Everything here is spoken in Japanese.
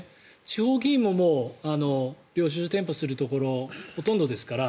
地方議員も領収書添付するところがほとんどですから。